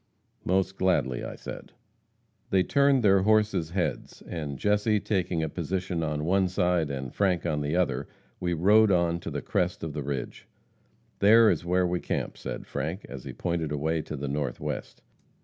'Most gladly,' I said. [Illustration: The Home of Frank James, in Texas.] "They turned their horses' heads, and Jesse taking a position on one side and Frank on the other, we rode on to the crest of the ridge. 'There is where we camp,' said Frank, as he pointed away to the northwest.